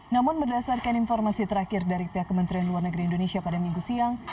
namun berdasarkan informasi terakhir dari pihak kementerian luar negeri indonesia pada minggu siang